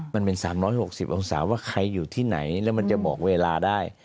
มันเป็น๓๖๐องศาว่าใครอยู่ที่ไหนแล้วมันจะบอกเวลาได้